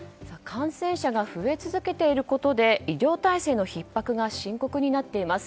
感染者が増え続けていることで医療体制のひっ迫が深刻になっています。